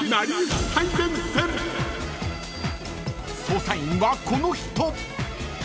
［捜査員はこの人］